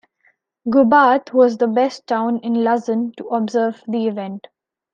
Gubat was the best town in Luzon to observe the event.